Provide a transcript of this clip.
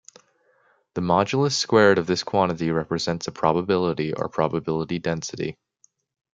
The modulus squared of this quantity represents a probability or probability density.